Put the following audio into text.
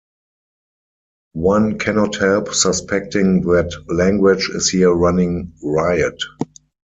One cannot help suspecting that language is here running riot.